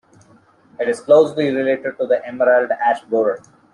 It is closely related to the emerald ash borer.